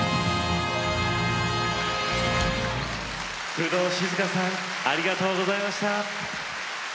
工藤静香さんありがとうございました。